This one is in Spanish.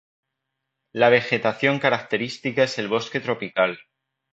La vegetación característica es el bosque tropical.